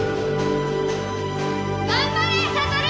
頑張れ！